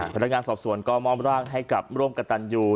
พนักงานสอบสวนก็มอบร่างให้กับร่วมกับตันยู